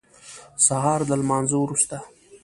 سهار د لمانځه وروسته.